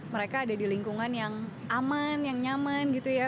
mereka ada di lingkungan yang aman yang nyaman gitu ya